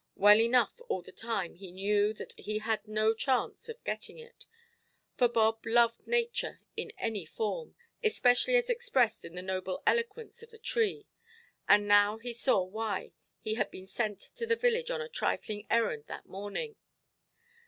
Well enough all the time he knew that he had no chance of getting it. For Bob loved nature in any form, especially as expressed in the noble eloquence of a tree. And now he saw why he had been sent to the village on a trifling errand that morning.